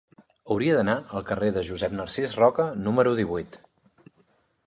Hauria d'anar al carrer de Josep Narcís Roca número divuit.